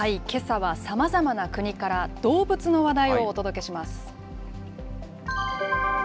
けさはさまざまな国から、動物の話題をお届けします。